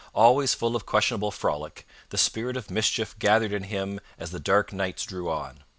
Always full of questionable frolic, the spirit of mischief gathered in him as the dark nights drew on.